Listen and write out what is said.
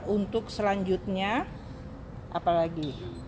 untuk selanjutnya apa lagi